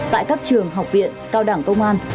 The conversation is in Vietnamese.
tại các trường học viện cao đảng công an